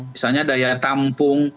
misalnya daya tampung